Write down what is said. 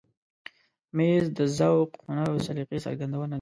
مېز د ذوق، هنر او سلیقې څرګندونه ده.